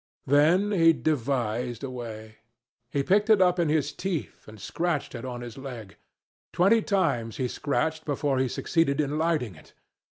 Then he devised a way. He picked it up in his teeth and scratched it on his leg. Twenty times he scratched before he succeeded in lighting it.